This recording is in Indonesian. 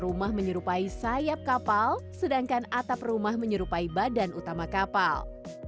rumah menyerupai sayap kapal sedangkan atap rumah menyerupai badan utama kapal